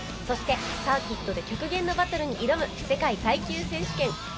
そしてサーキットで極限のバトルに挑む世界耐久選手権。